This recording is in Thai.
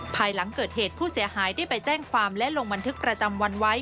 ภายหลังเกิดเหตุผู้เสียหายได้ไปแจ้งความและลงบันทึกประจำวันไว้